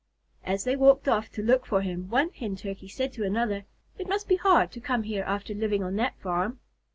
As they walked off to look for him, one Hen Turkey said to another, "It must be hard to come here after living on that farm."